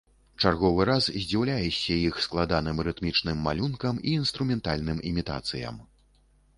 Чарговы раз здзіўляешся іх складаным рытмічным малюнкам і інструментальным імітацыям.